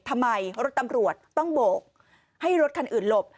ทำไมรถตำรวจต้องโบกให้รถคันอื่นหลบ